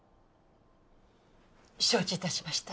承知致しました。